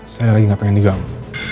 saya lagi gak pengen diganggu